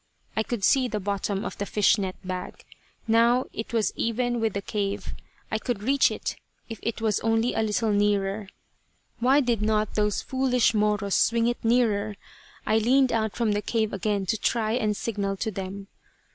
I could see the bottom of the fish net bag. Now it was even with the cave. I could reach it if it was only a little nearer. Why did not those foolish Moros swing it nearer? I leaned out from the cave again to try and signal to them.